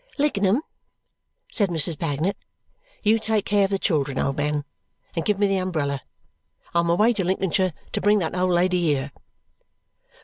"Lignum," said Mrs. Bagnet, "you take care of the children, old man, and give me the umbrella! I'm away to Lincolnshire to bring that old lady here."